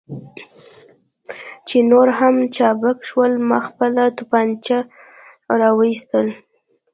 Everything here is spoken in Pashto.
چې نور هم چابک شول، ما خپله تومانچه را وایستل.